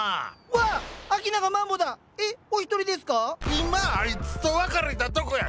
今アイツと別れたとこや。